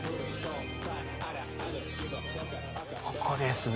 ここですね